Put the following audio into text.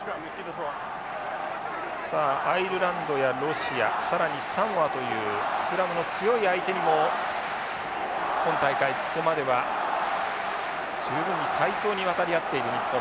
さあアイルランドやロシア更にサモアというスクラムの強い相手にも今大会ここまでは十分に対等に渡り合っている日本。